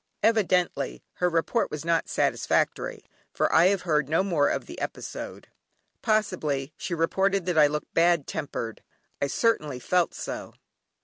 Evidently her report was not satisfactory, for I have heard no more of the episode. Possibly, she reported that I looked bad tempered; I certainly felt so!